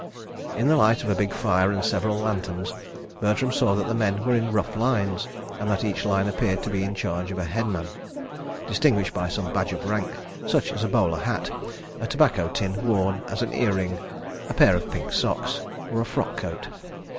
In the light of a big fire and several lanterns, Bertram saw that the men were in rough lines, and that each line appeared to be in charge of a headman, distinguished by some badge of rank, such as a bowler hat, a tobacco tin worn as an ear ring, a pair of pink socks, or a frock coat.